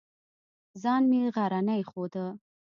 ځان مې غرنی ښوده.